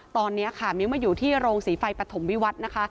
ตอนนี้ค่ะมิ้วมาอยู่ที่โรงศรีไฟปฐมวิวัฒน์นะคะ